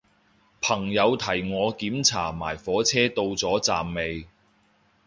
朋友提我檢查埋火車到咗站未